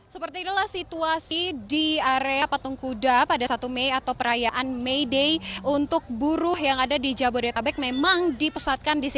seperti inilah situasi di area patung kuda pada satu mei atau perayaan may day untuk buruh yang ada di jabodetabek memang dipesatkan di sini